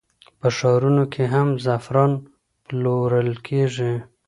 په ښارونو کې هم زعفران پلورل کېږي.